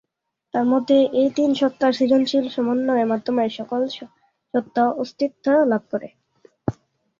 তার মতে এই তিন সত্ত্বার সৃজনশীল সমন্বয়ের মাধ্যমেই সকল সত্ত্বা অস্তিত্ব লাভ করে।